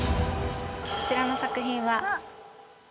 こちらの作品は。